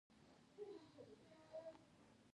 په قرآن کريم کې امر شوی چې تحقيق وکړئ.